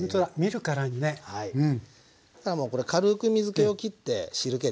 そしたらもう軽く水けをきって汁けですね